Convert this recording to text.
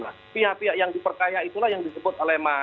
nah pihak pihak yang diperkaya itulah yang disebut oleh masyarakat